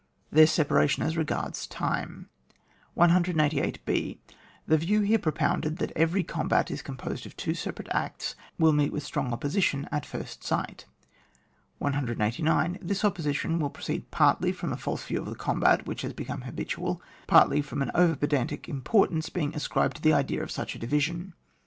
TTieir separation as regards Time. 188 b. The view here propounded, that every combat is composed of two separate acts, will meet with strong opposition at first sight. 189. This opposition will proceed partly from a false view of the combat, which has become habitual, partly from an over pedantic importance being ascribed to the idea of such a division.